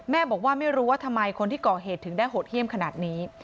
บอกว่าไม่รู้ว่าทำไมคนที่ก่อเหตุถึงได้โหดเยี่ยมขนาดนี้